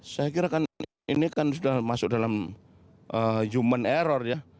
saya kira kan ini kan sudah masuk dalam human error ya